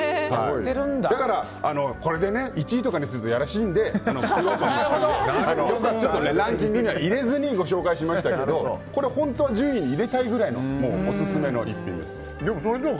だから、これで１位とかにするといやらしいのでくろうとの逸品でランキングに入れずにご紹介しましたけど本当は順位に入れたいぐらいのオススメの逸品です。